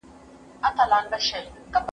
زه کولای سم ښوونځی ته ولاړ سم!!